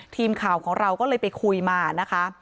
ทีมข่าวของเราก็เลยไปคุยมานะคะ